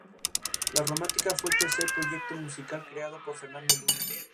La Romántica fue el tercer proyecto musical creado por Fernando Luna.